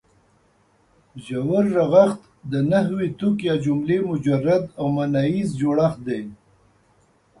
ژور رغښت د نحوي توک یا جملې مجرد او ماناییز جوړښت دی.